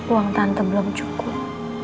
uang tante belum cukup